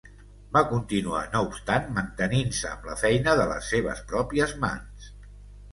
Va continuar, no obstant, mantenint-se amb la feina de les seves pròpies mans.